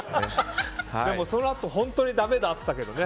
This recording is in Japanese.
そのあと、本当にだめだーって言ったけどね。